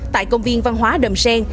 tại công viên văn hóa đầm xen